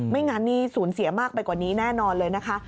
งั้นนี่สูญเสียมากไปกว่านี้แน่นอนเลยนะคะ